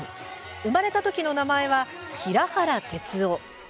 生まれた時の名前は、平原徹男。